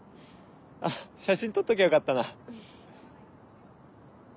あっ写真撮っときゃよかったな。